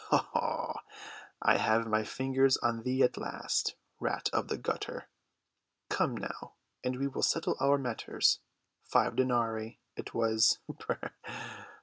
"Oho! I have my fingers on thee at last, rat of the gutter. Come now, and we will settle our matters! Five denarii, it was.